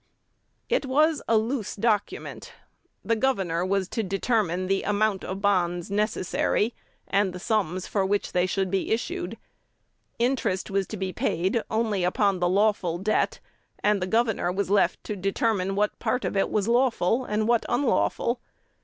It was a loose document. The governor was to determine the "amount" of bonds "necessary," and the sums for which they should be issued. Interest was to be paid only upon the "lawful" debt; and the governor was left to determine what part of it was lawful, and what unlawful.